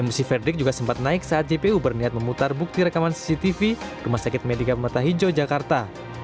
emosi frederick juga sempat naik saat jpu berniat memutar bukti rekaman cctv rumah sakit medika permata hijau jakarta